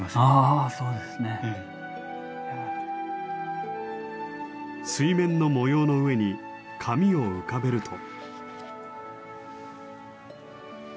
あそうですね。水面の模様の上に紙を浮かべると。